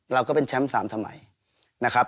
เราก็เป็นแชมป์๓สมัยนะครับ